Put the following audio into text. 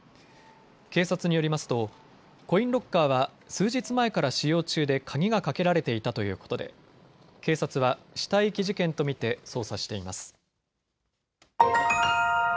警察によりますとコインロッカーは数日前から使用中で鍵がかけられていたということで警察は死体遺棄事件と見て捜査しています。